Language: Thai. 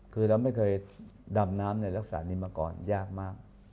คือเราไม่เคยดำน้ำในลักษณะนี้มาก่อนยากมาก